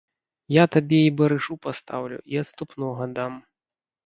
Я табе і барышу пастаўлю, і адступнога дам.